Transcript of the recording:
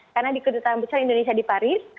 karena di kedutaan besar indonesia di paris